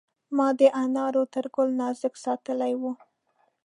ما د انارو تر ګل نازک ساتلی و.